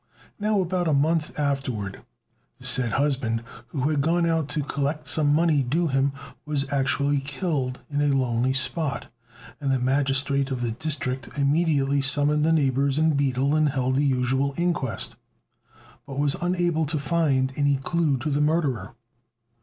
Now about a month afterwards, the said husband, who had gone out to collect some money due to him, was actually killed in a lonely spot; and the magistrate of the district immediately summoned the neighbours and beadle and held the usual inquest, but was unable to find any clue to the murderer.